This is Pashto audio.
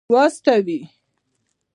واستوي.